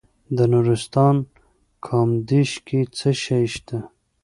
د نورستان په کامدیش کې څه شی شته؟